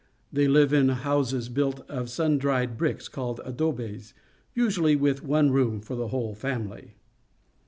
They live in houses built of sun dried bricks, called adobes, usually with one room for the whole family.